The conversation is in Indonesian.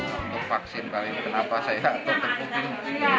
untuk vaksin kali ini kenapa saya tetap tutupi